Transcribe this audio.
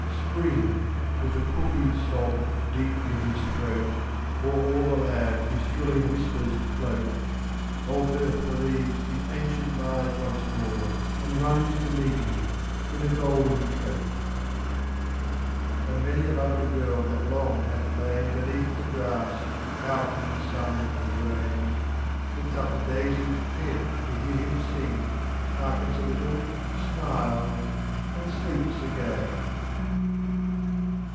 34 Spring, with the cuckoo sob deep in his throat. O'er all the land his thrilling whispers float, 4^. Old earth believes his ancient lies once more. And runs to meet him in a golden coat. And many a lovely girl that long hath lain Beneath the grass, out in the sun and rain, 4 7: Lifts up a daisied head to hear him sing. Hearkens a little, smiles, and sleeps again.